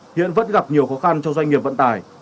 hiện vẫn gặp nhiều khó khăn cho doanh nghiệp vận tải